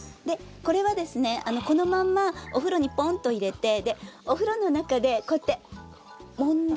これはですねこのまんまお風呂にポンと入れてお風呂の中でこうやってもんで。